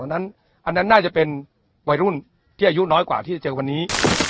อันนั้นน่าจะเป็นวัยรุ่นที่อายุน้อยกว่าที่จะเจอวันนี้